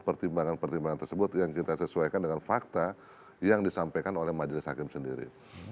pertimbangan pertimbangan tersebut yang kita sesuaikan dengan fakta yang disampaikan oleh majelis hakim sendiri